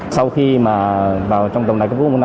sau khi vào trong tổng đài cấp cứu một trăm một mươi năm